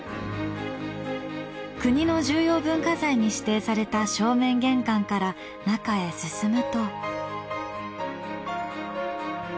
国の重要文化財に指定された正面玄関から中へ進むと。